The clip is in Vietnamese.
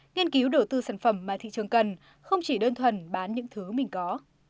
nghiên cứu đầu tư sản phẩm mà thị trường cần không chỉ đơn thuần bán những thứ mình có